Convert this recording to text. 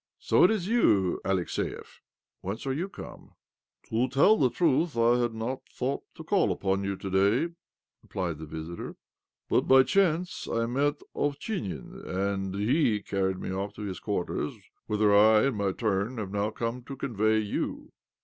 "So it is you, Alexiev? Whence are you come ?"" To tell the truth, I had not thought to call upon you to day," replied the visitor, " but by chance I met Ovchinin, and he carried me off to his quarters, whither I, in my turn, have now come to convey you."